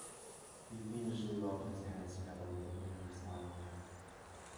He fiendishly rubbed his hands together with an eerie smile.